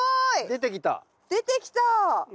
出てきた。